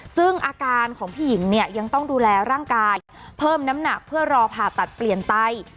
ซึ่งอาการของพี่หญิงเนี่ยยังต้องดูแลร่างกายเพิ่มน้ำหนักเพื่อรอผ่าตัดเปลี่ยนไต